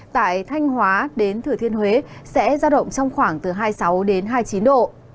tại thanh hóa đến thừa thiên huế sẽ ra động trong khoảng từ hai mươi sáu đến hai mươi chín độ